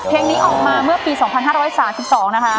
เพลงนี้ออกมาเมื่อปี๒๕๓๒นะคะ